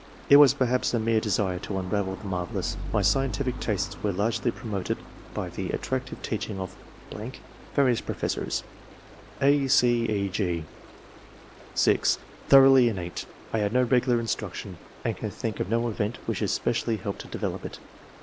It was perhaps a mere desire to unravel the marvellous. My scientific tastes were largely promoted by the attractive teaching of [.... various professors]." (a, c, e, g) (6) " Thoroughly innate. I had no regular instruction, and can think of no event which especially helped to develop it.